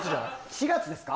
４月ですか？